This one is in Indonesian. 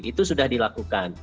itu sudah dilakukan